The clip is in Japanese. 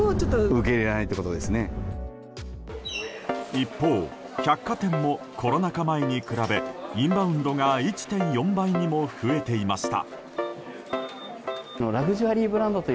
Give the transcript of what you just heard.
一方、百貨店もコロナ禍前に比べインバウンドが１．４倍にも増えていました。